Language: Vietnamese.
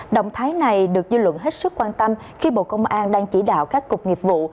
động thái này được dư luận hết sức quan tâm khi bộ công an đang chỉ đạo các cục nghiệp vụ